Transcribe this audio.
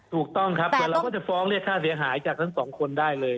ถูกต้องครับแต่เราก็จะฟ้องเรียกค่าเสียหายจากทั้งสองคนได้เลย